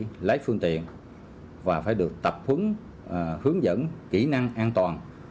phải lấy phương tiện và phải được tập hướng dẫn kỹ năng an toàn